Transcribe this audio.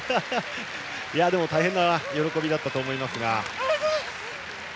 でも大変な喜びだったと思いますが。